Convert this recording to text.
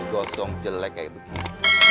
gosong jelek kayak begitu